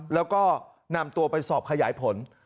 แล้วก็นำตัวไปสอบขยายผล